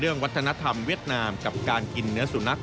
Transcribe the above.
วัฒนธรรมเวียดนามกับการกินเนื้อสุนัข